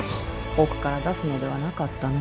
奥から出すのではなかったの。